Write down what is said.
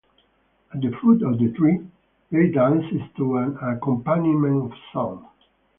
At the foot of the tree they danced to an accompaniment of song.